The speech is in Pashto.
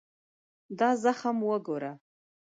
دا زخم وګوره.